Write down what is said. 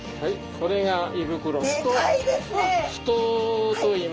これが胃袋？